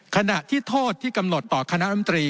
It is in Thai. ขณะที่โทษที่กำหนดต่อคณะรำตรี